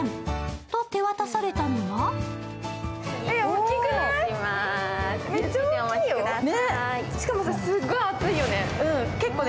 と、手渡されたのはしかもすっごい熱いよね。